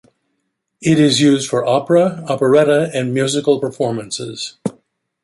It is used for opera, operetta, and musical performances.